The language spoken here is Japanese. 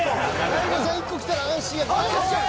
大悟さん１個きたら安心や。